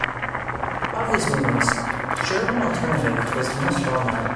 Of these movements, German Alternative was the most well-known.